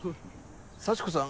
幸子さん